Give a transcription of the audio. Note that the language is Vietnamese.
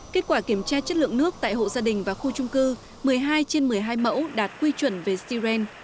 kết quả kiểm tra chất lượng nước tại hộ gia đình và khu trung cư một mươi hai trên một mươi hai mẫu đạt quy chuẩn về siren